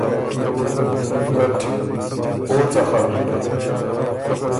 رټ: او څخل؟